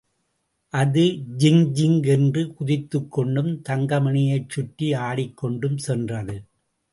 அது ஜிங்ஜிங் என்று குதித்துக்கொண்டும் தங்கமணியைச் சுற்றி ஆடிக்கொண்டும் சென்றது.